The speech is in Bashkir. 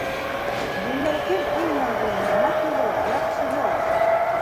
Донъяла кем иң наҙлыһы, матуры, яҡшыһы?